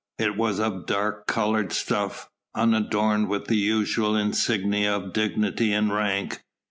It was of dark coloured stuff, unadorned with the usual insignia of dignity and rank.